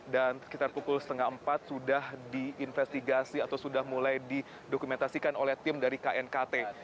dan sekitar pukul setengah empat sudah diinvestigasi atau sudah mulai didokumentasikan oleh tim dari knkt